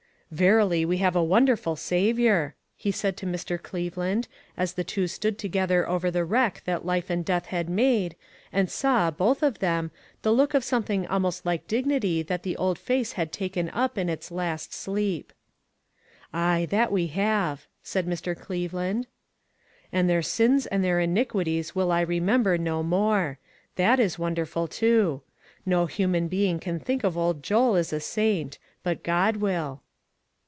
"Verily, we have a wonderful Saviour," he said to Mr. Cleveland, as the two stood together over the wreck that life and death had made, and saw, both of them, the 4/6 ONE COMMONPLACE DAY. look of something almost like dignity that the old face had taken in its last sleep. " Aye, that we have," said Mr. Cleveland. " l And their sins and their iniquities will I remember no more.' That is wonderful, too. No human being can think of old Joel as a saint ; but God will."